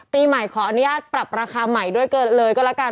ปีใหม่ขออนุญาตปรับราคาใหม่ด้วยเกินเลยก็แล้วกัน